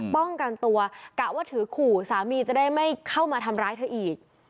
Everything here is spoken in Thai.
ป้องกันตัวกะว่าถือขู่สามีจะได้ไม่เข้ามาทำร้ายเธออีก